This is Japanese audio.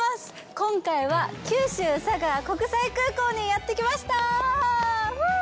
今回は、九州佐賀国際空港にやってきました。